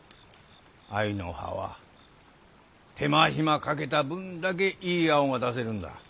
藍の葉は手間暇かけた分だけいい青が出せるんだ。